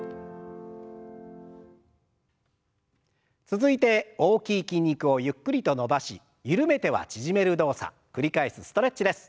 続いて大きい筋肉をゆっくりと伸ばし緩めては縮める動作繰り返すストレッチです。